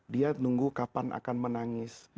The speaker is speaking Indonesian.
dia nunggu kapan akan menangis